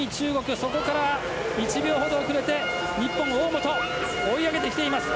そこから１秒ほど遅れて日本、大本追い上げてきています。